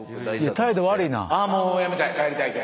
態度悪いな。